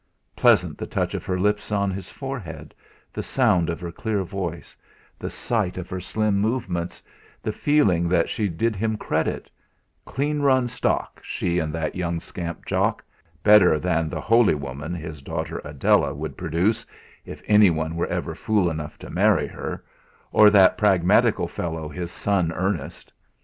Pleasant the touch of her lips on his forehead, the sound of her clear voice, the sight of her slim movements, the feeling that she did him credit clean run stock, she and that young scamp Jock better than the holy woman, his daughter Adela, would produce if anyone were ever fool enough to marry her, or that pragmatical fellow, his son Ernest.